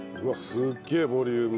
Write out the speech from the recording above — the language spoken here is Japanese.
すっげえボリューム。